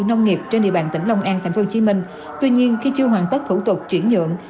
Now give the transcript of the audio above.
nông nghiệp trên địa bàn tỉnh long an tp hcm tuy nhiên khi chưa hoàn tất thủ tục chuyển nhượng